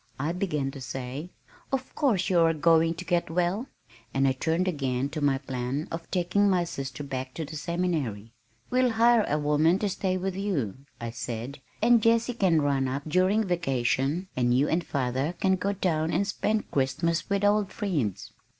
I began to say, "Of course you are going to get well," and I turned again to my plan of taking my sister back to the seminary. "We'll hire a woman to stay with you," I said, "and Jessie can run up during vacation, or you and father can go down and spend Christmas with old friends."